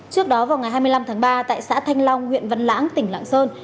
trước đó vào ngày hai mươi năm tháng ba tại xã thanh long huyện văn lãng tỉnh lạng sơn